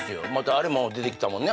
あれも出てきたもんね